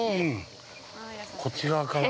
こっち側から。